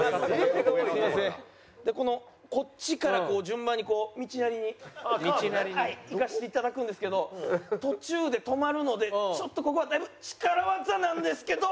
このこっちから順番にこう道なりに行かせていただくんですけど途中で止まるのでちょっとここはだいぶ力技なんですけど